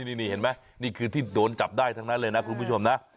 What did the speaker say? นี่เห็นไหมนี่คือที่โดนจับได้ทั้งนั้นเลยนะคุณผู้ชมนะ